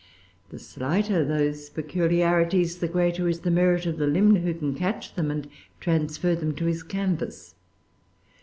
The slighter those peculiarities, the greater is the merit of the limner who can catch them and transfer them to his canvas.